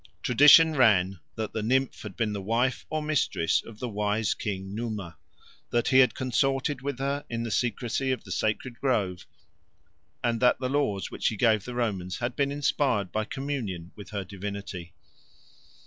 Tradition ran that the nymph had been the wife or mistress of the wise king Numa, that he had consorted with her in the secrecy of the sacred grove, and that the laws which he gave the Romans had been inspired by communion with her divinity.